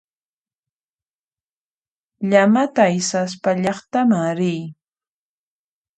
Llamata aysaspa llaqtaman riy.